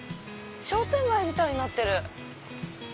商店街みたいになってる。